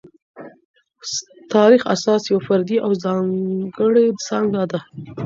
تاریخ اساساً یوه فردي او ځانګړې څانګه ده.